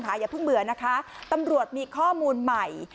เดี๋ยวพึ่งเหมือนนะคะตำรวจมีข้อมูลใหม่